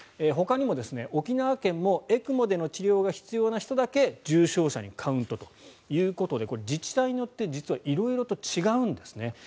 ほかにも沖縄県もＥＣＭＯでの治療が必要な人だけを重症者にカウントということでこれ、自治体によって実は色々と違うんですね。